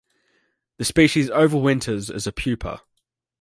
The species overwinters as a pupa.